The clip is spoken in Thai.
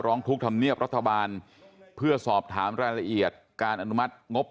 ทุกธรรมเนียบรัฐบาลเพื่อสอบถามรายละเอียดการอนุมัติงบ